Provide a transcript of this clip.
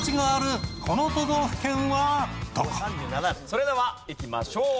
それではいきましょう。